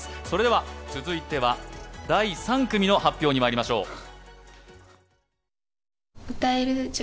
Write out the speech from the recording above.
それでは、続いては第３組の発表にまいりましょう。